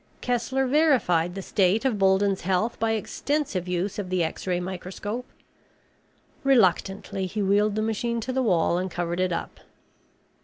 Kessler verified the state of Bolden's health by extensive use of the X ray microscope. Reluctantly he wheeled the machine to the wall and covered it up.